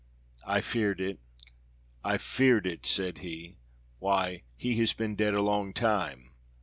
"I feared it! I feared it!" said he. "Why he has been dead a long time.